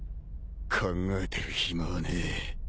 考えてる暇はねえ。